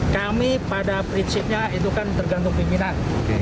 kami pada prinsipnya itu kan tergantung pimpinan